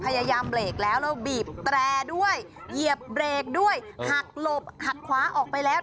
พยายามเบรกแล้วแล้วบีบแตรด้วยเหยียบเบรกด้วยหักหลบหักขวาออกไปแล้ว